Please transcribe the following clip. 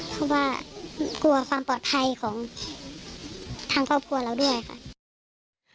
เพราะว่ากลัวความปลอดภัยของทางครอบครัวเราด้วยค่ะ